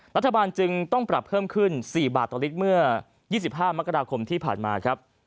รัฐบาลจึงต้องปรับเพิ่มขึ้น๔บาทต่อลิตรเมื่อ๒๕มกราคมที่ผ่านมาครับ